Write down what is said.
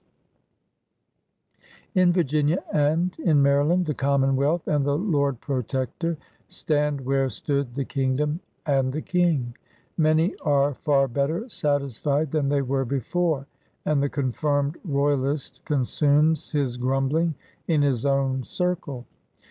COMMONWEALTH AND RESTORATION 158 In Virginia and in Maryland the Commonwealth and the Lord Protector stand where stood the Kingdom and the King. Many are far better satisfied than they were before; and the confirmed royalist consumes his grumbling in his own circle.